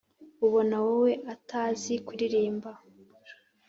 ubona wowe atazi kuririmba